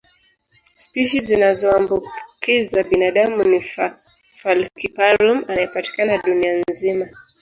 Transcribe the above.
Spishi zinazoambukiza binadamu ni falciparum anayepatikana dunia nzima